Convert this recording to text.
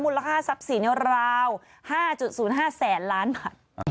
มูลค่าทรัพย์ศัพท์ศรีราว๕๐๕แสนล้านบาท